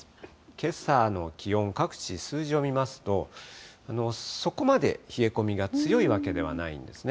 けさの気温、各地数字を見ますと、そこまで冷え込みが強いわけではないんですね。